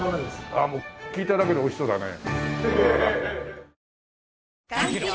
ああもう聞いただけでおいしそうだね。